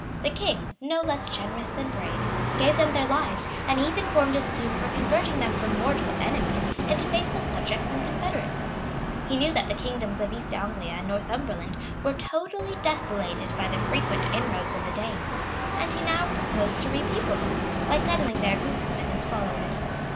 The king, no less generous than brave, gave them their lives, and even formed a scheme for converting them from mortal enemies into faithful subjects and confederates. He knew that the kingdoms of East Anglia and Northumberland were totally desolated by the frequent inroads of the Danes, and he now proposed to repeople them, by settling there Guthrum and his followers.